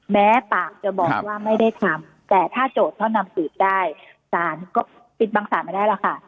แม้ปากจะบอกว่าไม่ได้ทำแต่ถ้าโจทย์เขานำสืบได้สารก็ปิดบังสารมาได้แล้วค่ะ